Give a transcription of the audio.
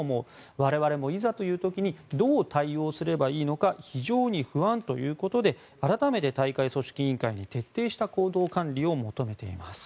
我々もいざという時にどう対応すればいいのか非常に不安ということで改めて大会組織委員会に徹底した行動管理を求めています。